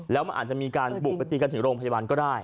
แล้วมันอาจจะมีการบุกไปตีกันถึงโรงพยาบาลก็ได้